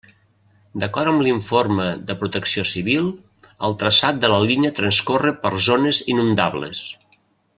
D'acord amb l'informe de Protecció Civil, el traçat de la línia transcorre per zones inundables.